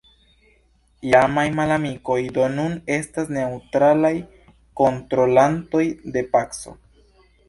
Iamaj malamikoj do nun estas neŭtralaj kontrolantoj de paco.